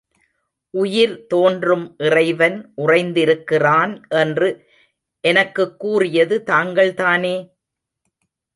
உயிர்தேன்றும் இறைவன் உறைந்திருக்கிறான் என்று எனக்குக் கூறியது தாங்கள்தானே!